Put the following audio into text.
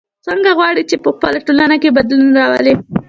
څوک غواړي چې په خپله ټولنه کې بدلون راولي